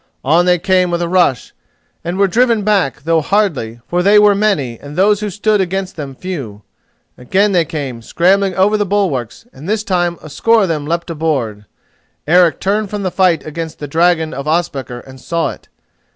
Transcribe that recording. On they came with a rush, and were driven back, though hardly, for they were many, and those who stood against them few. Again they came, scrambling over the bulwarks, and this time a score of them leapt aboard. Eric turned from the fight against the dragon of Ospakar and saw it.